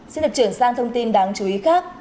xin lập trưởng sang thông tin đáng chú ý khác